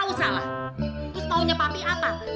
terus maunya papi apa